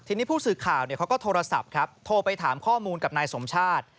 ทีนี้ผู้สื่อข่าวเขาก็โทรศัพท์ครับโทรไปถามข้อมูลกับนายสมชาติ